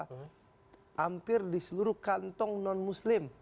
hampir di seluruh kantong non muslim